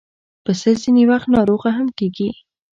پسه ځینې وخت ناروغه هم کېږي.